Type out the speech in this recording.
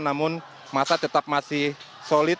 namun masa tetap masih solid